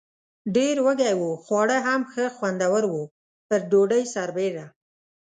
ډېر وږي و، خواړه هم ښه خوندور و، پر ډوډۍ سربېره.